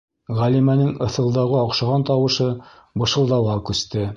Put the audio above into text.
- Ғәлимәнең ыҫылдауға оҡшаған тауышы бышылдауға күсте.